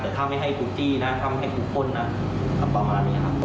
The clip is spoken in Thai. แต่ถ้าไม่ให้ทุกที่ถ้าไม่ให้ทุกคนประมาณนี้ครับ